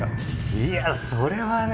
いやそれはね